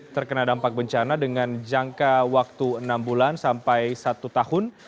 terkena dampak bencana dengan jangka waktu enam bulan sampai satu tahun